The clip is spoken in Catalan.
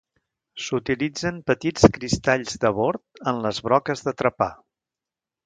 S'utilitzen petits cristalls de bord en les broques de trepar.